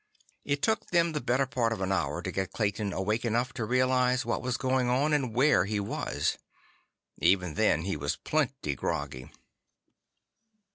It took them the better part of an hour to get Clayton awake enough to realize what was going on and where he was. Even then, he was plenty groggy.